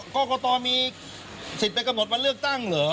กรกตมีสิทธิ์ไปกำหนดวันเลือกตั้งเหรอ